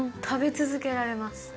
食べ続けられます。